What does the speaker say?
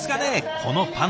このパンダ。